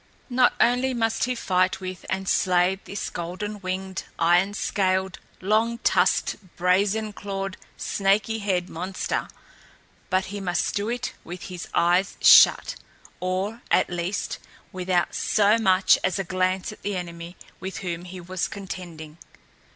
Not only must he fight with and slay this golden winged, iron scaled, long tusked, brazen clawed, snaky haired monster, but he must do it with his eyes shut, or, at least, without so much as a glance at the enemy with whom he was contending.